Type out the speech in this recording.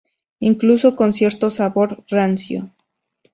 Incluso con cierto sabor rancio.